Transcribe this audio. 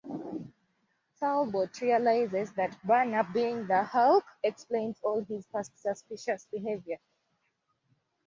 Talbot realizes that Banner being the Hulk explains all his past suspicious behavior.